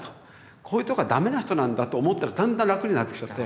こういうとこはダメな人なんだと思ったらだんだん楽になってきちゃって。